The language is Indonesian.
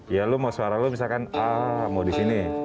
ya lo mau suara lo misalkan a mau di sini